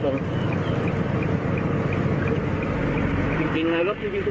จริงรถที่วิ่งทุกคันรถตู้วิ่งรถสมดินอย่างนี้นะ